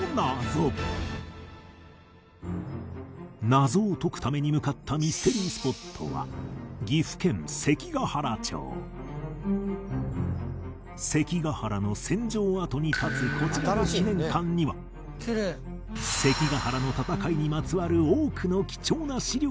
謎を解くために向かったミステリースポットは関ヶ原の戦場跡に立つこちらの記念館には関ヶ原の戦いにまつわる多くの貴重な資料を所蔵